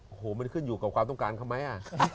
โอ้โหมันขึ้นอยู่กับความต้องการเขาไหม